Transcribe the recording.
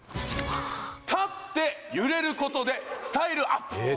立って揺れることでスタイルアップ！？